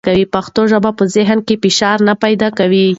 پښتو ژبه په ذهن کې فشار نه پیدا کوي.